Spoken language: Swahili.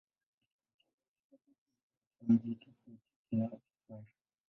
Michezo ya kisasa hufanyika katika mji tofauti kila safari.